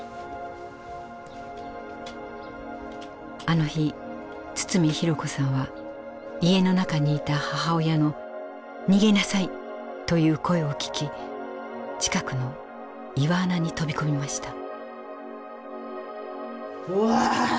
あの日堤寛子さんは家の中にいた母親の「逃げなさい」という声を聞き近くの岩穴に飛び込みました。